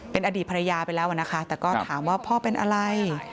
เป็นอดีตภรรยาไปแล้วนะคะแต่ก็ถามว่าพ่อเป็นอะไร